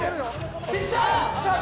ちっちゃい！